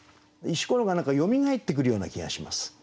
「石ころ」がよみがえってくるような気がします。